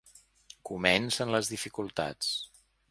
Comencen les dificultats.